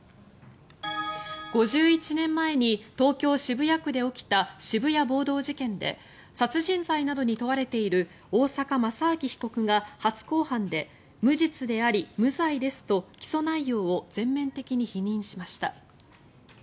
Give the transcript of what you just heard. ５１年前に東京・渋谷区で起きた渋谷暴動事件で殺人罪などに問われている大坂正明被告が初公判で無実であり無罪ですと起訴内容を全面的に否認しました。